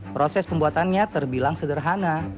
proses pembuatannya terbilang sederhana